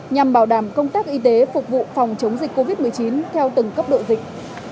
nhằm bảo đảm công tác y tế phục vụ phòng chống dịch covid một mươi chín theo từng cấp độ dịch